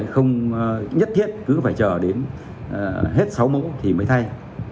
không nhất thiết cứ phải chờ đến hết sáu mẫu thì mới thay